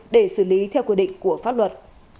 để xử lý theo quy định của pháp luật